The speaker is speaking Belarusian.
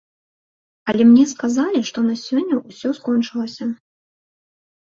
Але мне сказалі, што на сёння ўсё скончылася.